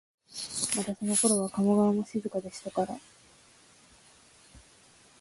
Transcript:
またそのころは加茂川も静かでしたから、